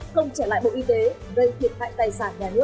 không trả lại bộ y tế gây thiệt hại tài sản nhà nước